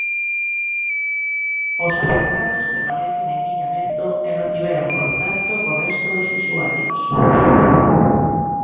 Os afectados permanecen en illamento e non tiveron contacto co resto dos usuarios.